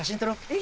え？